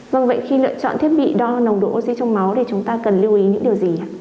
vâng vậy khi lựa chọn thiết bị đo nồng độ oxy trong máu thì chúng ta cần lưu ý những điều gì ạ